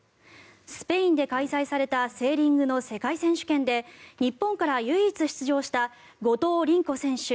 スペインで開催されたセーリングの世界選手権で日本から唯一出場した後藤凛子選手